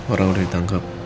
orang udah ditangkap